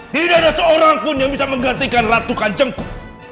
tidak ada seorang pun yang bisa menggantikan ratu kanjengku